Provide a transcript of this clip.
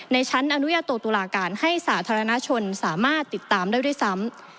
ในชั้นอนุญาโตตุลาการให้สาธารณชนสามารถติดตามได้ด้วยซ้ำ